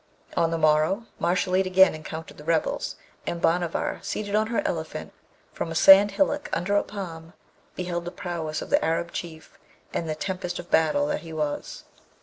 On the morrow Mashalleed again encountered the rebels, and Bhanavar, seated on her elephant, from a sand hillock under a palm, beheld the prowess of the Arab Chief and the tempest of battle that he was.